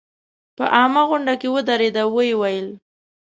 په عامه غونډه کې ودرېد او ویې ویل.